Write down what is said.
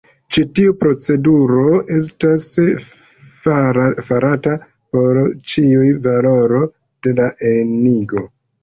Ĉi tiu proceduro estas farata por ĉiu valoro de la enigo.